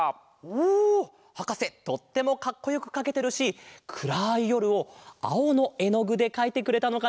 おおはかせとってもかっこよくかけてるしくらいよるをあおのえのぐでかいてくれたのかな？